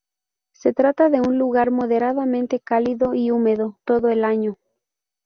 Se trata de un lugar moderadamente cálido y húmedo todo el año.